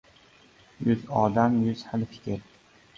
• Yuz odam — yuz xil fikr.